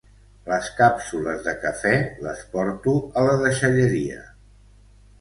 Les càpsules de cafè les porto a la deixalleria